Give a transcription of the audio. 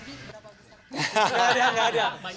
tapi peluangnya gabung garbi berapa besar